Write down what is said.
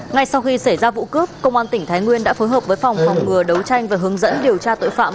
ngay sau khi xảy ra vụ cướp công an tỉnh thái nguyên đã phối hợp với phòng phòng ngừa đấu tranh và hướng dẫn điều tra tội phạm